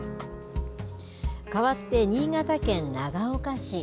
かわって新潟県長岡市。